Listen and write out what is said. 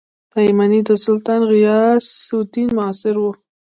تایمنى د سلطان غیاث الدین معاصر وو.